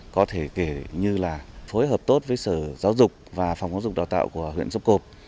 có thể kể như là phối hợp tốt với sở giáo dục và phòng giáo dục đào tạo của huyện xuất cộp